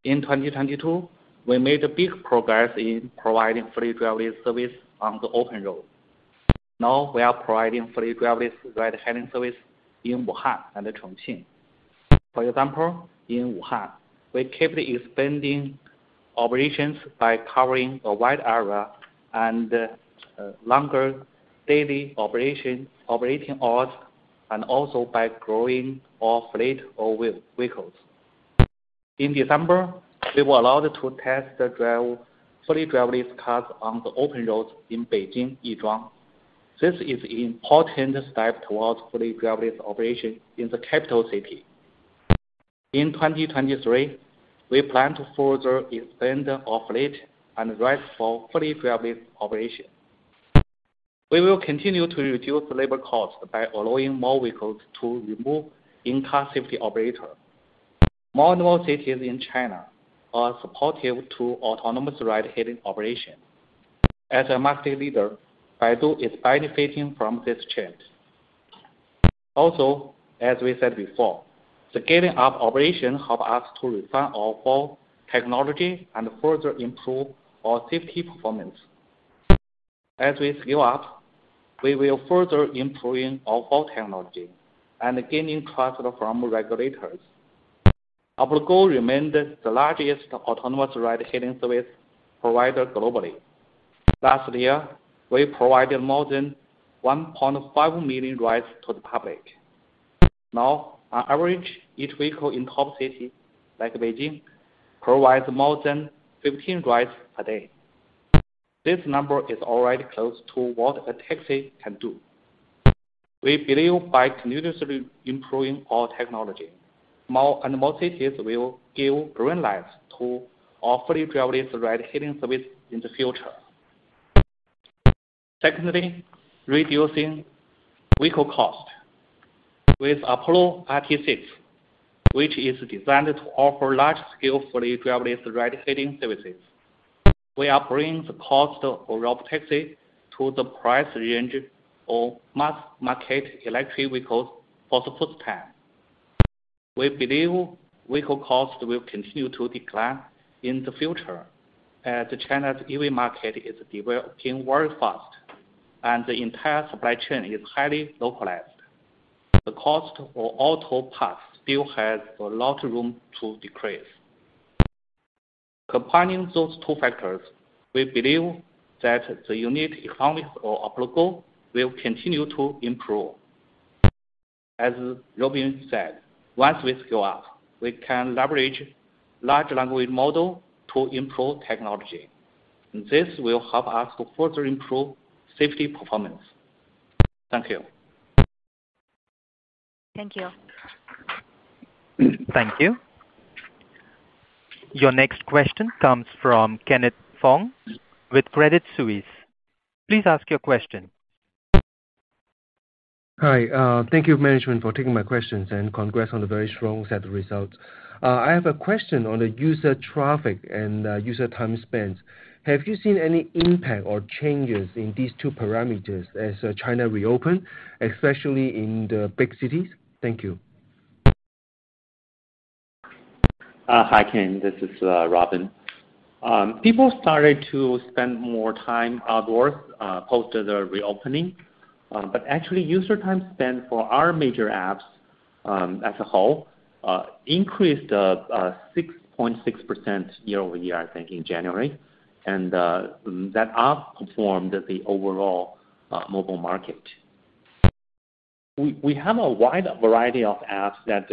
In 2022, we made big progress in providing fully driverless service on the open road. Now we are providing fully driverless ride-hailing service in Wuhan and Chongqing. For example, in Wuhan, we kept expanding operations by covering a wide area and longer daily operation, operating hours, and also by growing our fleet of vehicles. In December, we were allowed to test the drive fully driverless cars on the open roads in Beijing, Yizhuang. This is important step towards fully driverless operation in the capital city. In 2023, we plan to further expand our fleet and drive for fully driverless operation. We will continue to reduce labor costs by allowing more vehicles to remove in-car safety operator. More and more cities in China are supportive to autonomous ride-hailing operation. As a market leader, Baidu is benefiting from this change. As we said before, the scaling up operation help us to refine our whole technology and further improve our safety performance. As we scale up, we will further improving our whole technology and gaining trust from regulators. Apollo Go remained the largest autonomous ride-hailing service provider globally. Last year, we provided more than 1.5 million rides to the public Now, on average, each vehicle in top city like Beijing provides more than 15 rides a day. This number is already close to what a taxi can do. We believe by continuously improving our technology, more and more cities will give green lights to our fully driverless ride-hailing service in the future. Secondly, reducing vehicle cost. With Apollo RT6, which is designed to offer large scale fully driverless ride-hailing services, we are bringing the cost of Robotaxi to the price range of mass market electric vehicles for the first time. We believe vehicle costs will continue to decline in the future, as China's EV market is developing very fast, and the entire supply chain is highly localized. The cost for auto parts still has a lot of room to decrease. Combining those two factors, we believe that the unique economics of Apollo will continue to improve. As Robin said, once we scale up, we can leverage large language model to improve technology. This will help us to further improve safety performance. Thank you. Thank you. Thank you. Your next question comes from Kenneth Fong with Credit Suisse. Please ask your question. Hi. Thank you management for taking my questions. Congrats on the very strong set of results. I have a question on the user traffic and user time spent. Have you seen any impact or changes in these two parameters as China reopen, especially in the big cities? Thank you. Hi, Ken. This is Robin. People started to spend more time outdoors post the reopening. Actually user time spent for our major apps, as a whole, increased 6.6% year-over-year, I think, in January, that outperformed the overall mobile market. We have a wide variety of apps that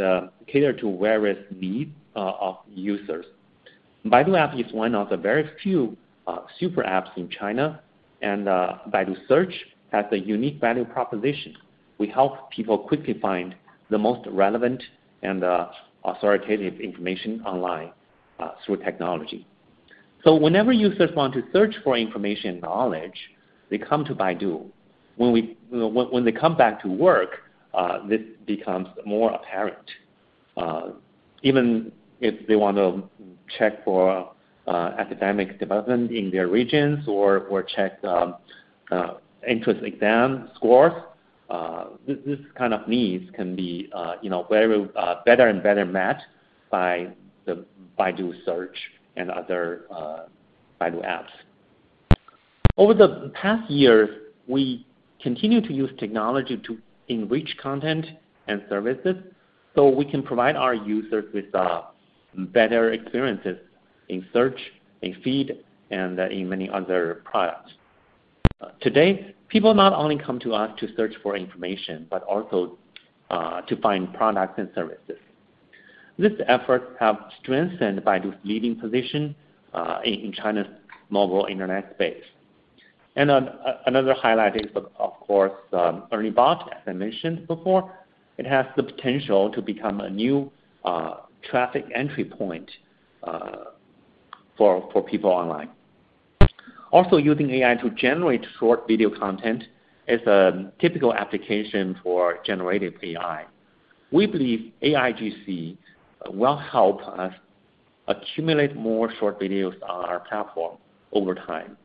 cater to various needs of users. Baidu App is one of the very few super apps in China, Baidu Search has a unique value proposition. We help people quickly find the most relevant and authoritative information online through technology. Whenever users want to search for information knowledge, they come to Baidu. When they come back to work, this becomes more apparent. Even if they want to check for academic development in their regions or check entrance exam scores, this kind of needs can be, you know, very better and better met by the Baidu Search and other Baidu apps. Over the past years, we continue to use technology to enrich content and services, so we can provide our users with better experiences in search, in feed, and in many other products. Today, people not only come to us to search for information, but also to find products and services. These efforts have strengthened Baidu's leading position in China's mobile internet space. Another highlight is of course, ERNIE Bot, as I mentioned before. It has the potential to become a new traffic entry point for people online. Using AI to generate short video content is a typical application for generative AI. We believe AIGC will help us accumulate more short videos on our platform over time.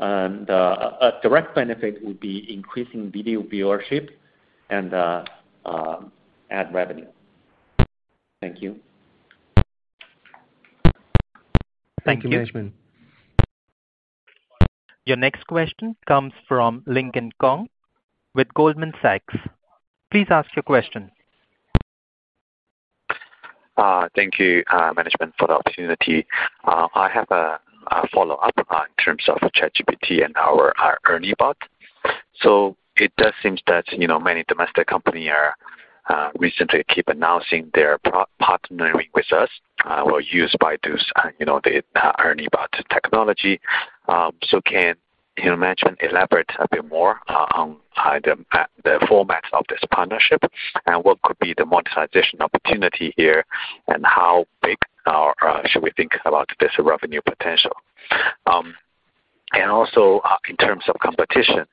A direct benefit will be increasing video viewership and ad revenue. Thank you. Thank you. Thank you, management. Your next question comes from Lincoln Kong with Goldman Sachs. Please ask your question. Thank you, management for the opportunity. I have a follow-up in terms of ChatGPT and our ERNIE Bot. It does seem that, you know, many domestic company are recently keep announcing their partnering with us or use Baidu's ERNIE Bot technology. Can, you know, management elaborate a bit more on the formats of this partnership and what could be the monetization opportunity here, and how big should we think about this revenue potential? In terms of competition,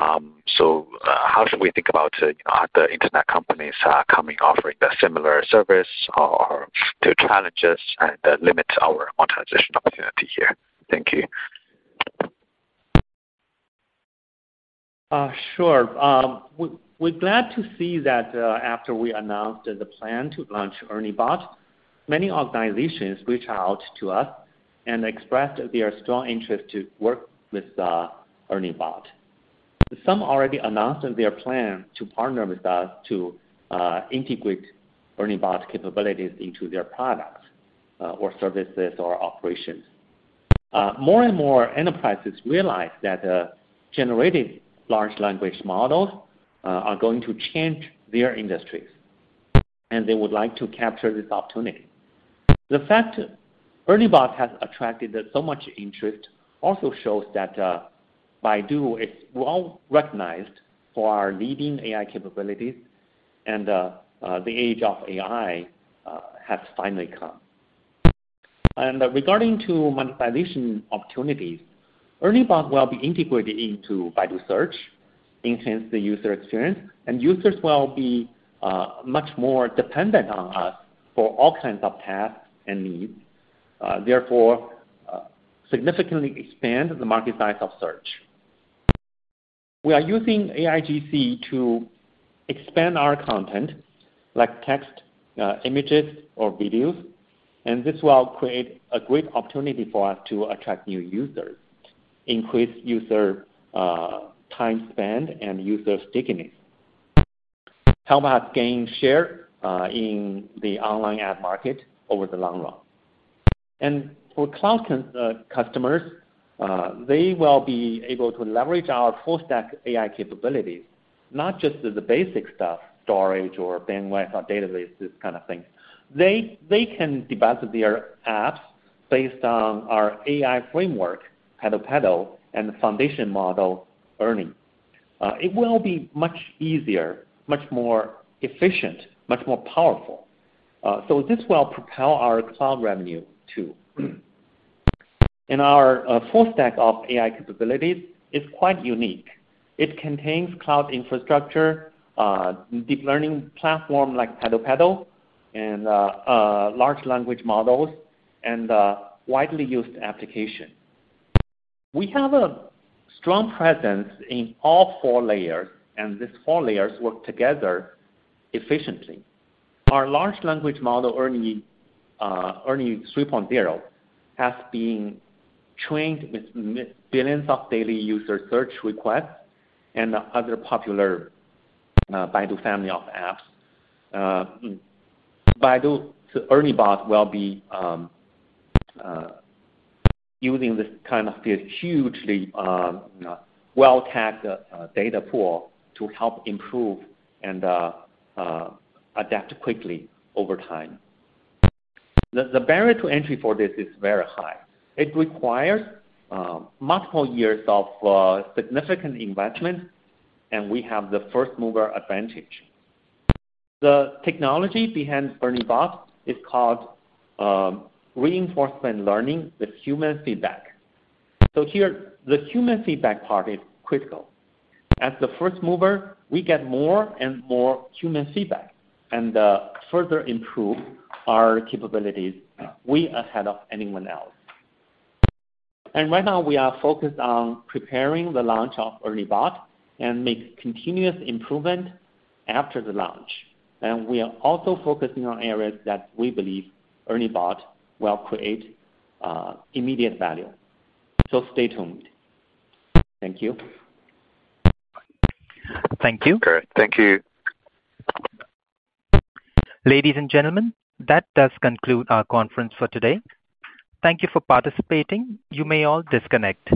how should we think about the internet companies coming offering the similar service or to challenge us and limit our monetization opportunity here? Thank you. Sure. We're glad to see that after we announced the plan to launch ERNIE Bot, many organizations reached out to us and expressed their strong interest to work with ERNIE Bot. Some already announced their plan to partner with us to integrate ERNIE Bot capabilities into their products or services or operations. More and more enterprises realize that generating large language models are going to change their industries, and they would like to capture this opportunity. The fact ERNIE Bot has attracted so much interest also shows that Baidu is well recognized for our leading AI capabilities and the age of AI has finally come. Regarding monetization opportunities, ERNIE Bot will be integrated into Baidu Search, enhance the user experience, and users will be much more dependent on us for all kinds of tasks and needs, therefore, significantly expand the market size of Search. This will create a great opportunity for us to attract new users, increase user time spent, and user stickiness. Help us gain share in the online ad market over the long run. For cloud customers, they will be able to leverage our full stack AI capabilities, not just the basic stuff, storage or bandwidth or databases, this kind of thing. They can develop their apps based on our AI framework, PaddlePaddle, and the foundation model, ERNIE. It will be much easier, much more efficient, much more powerful. This will propel our cloud revenue too. Our full stack of AI capabilities is quite unique. It contains cloud infrastructure, deep learning platform like PaddlePaddle and large language models and widely used application. We have a strong presence in all four layers. These four layers work together efficiently. Our large language model, ERNIE 3.0, has been trained with billions of daily user search requests in the other popular Baidu family of apps. Baidu to ERNIE Bot will be using this kind of this hugely well-tapped data pool to help improve and adapt quickly over time. The barrier to entry for this is very high. It requires multiple years of significant investment. We have the first-mover advantage. The technology behind ERNIE Bot is called Reinforcement Learning from Human Feedback. Here the human feedback part is critical. As the first mover, we get more and more human feedback and further improve our capabilities way ahead of anyone else. Right now we are focused on preparing the launch of ERNIE Bot and make continuous improvement after the launch. We are also focusing on areas that we believe ERNIE Bot will create immediate value. Stay tuned. Thank you. Thank you. Okay. Thank you. Ladies, and gentlemen, that does conclude our conference for today. Thank you for participating. You may all disconnect.